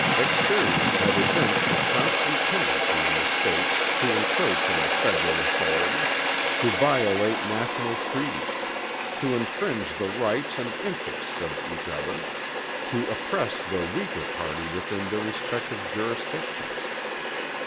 Experience had evinced a constant tendency in the States to encroach on the federal authority; to violate national Treaties; to infringe the rights and interests of each other; to oppress the weaker party within their respective jurisdictions.